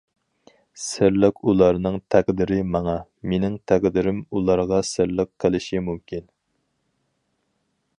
سىرلىق ئۇلارنىڭ تەقدىرى ماڭا، مىنىڭ تەقدىرىم ئۇلارغا سىرلىق قىلىشى مۇمكىن !